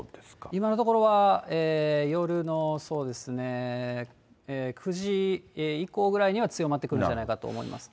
今のところは、夜の、そうですね、９時以降ぐらいには強まってくるんじゃないかと思います。